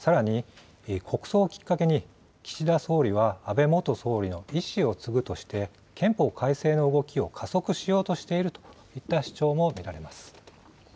さらに国葬をきっかけに岸田総理は、安倍元総理の遺志を継ぐとして、憲法改正の動きを加速しようとしているといった主張も見られます。